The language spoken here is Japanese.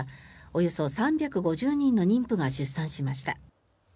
およそ３５０人の妊婦が出産しました。